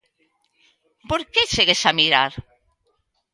Por que segues a mirar?